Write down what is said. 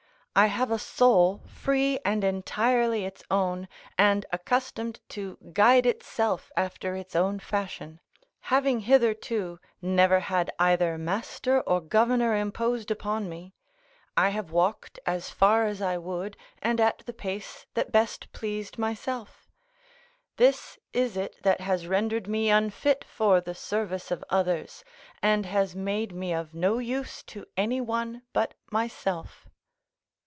I have a soul free and entirely its own, and accustomed to guide itself after its own fashion; having hitherto never had either master or governor imposed upon me: I have walked as far as I would, and at the pace that best pleased myself; this is it that has rendered me unfit for the service of others, and has made me of no use to any one but myself.